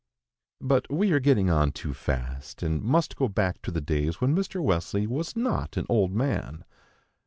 But we are getting on too fast, and must go back to the days when Mr. Wesley was not an old man.